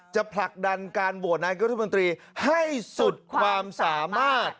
ผลักดันการโหวตนายุทธมนตรีให้สุดความสามารถ